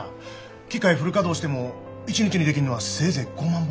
機械フル稼働しても一日に出来んのはせいぜい５万本。